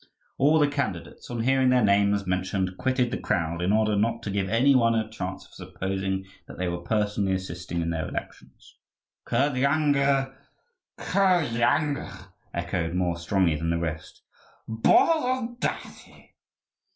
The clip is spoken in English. All the candidates, on hearing their names mentioned, quitted the crowd, in order not to give any one a chance of supposing that they were personally assisting in their election. "Kirdyanga, Kirdyanga!" echoed more strongly than the rest. "Borodaty!"